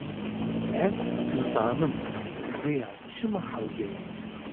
Ez dizanim vêya çima hewce ye.